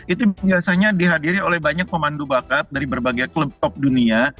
itu biasanya dihadiri oleh banyak pemandu bakat dari berbagai klub top dunia